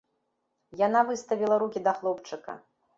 Яна выставіла рукі да хлопчыка.